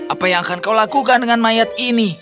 apa yang akan kau lakukan dengan mayat ini